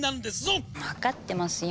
分かってますよ。